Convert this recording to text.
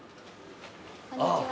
こんにちは。